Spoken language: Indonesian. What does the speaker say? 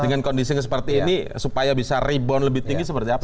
dengan kondisi yang seperti ini supaya bisa rebound lebih tinggi seperti apa